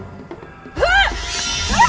aku akan menghina kau